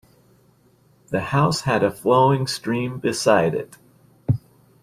The house had a flowing stream beside it.